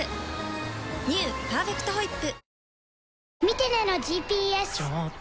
「パーフェクトホイップ」